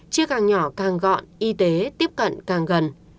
chiếc càng nhỏ càng gọn y tế tiếp cận càng gần